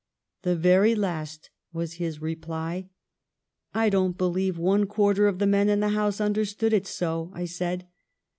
'*The very last," was his reply. " I don't believe one quarter of the men in the House understand it so," I said.